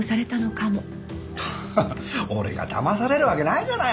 ハハッ俺がだまされるわけないじゃない。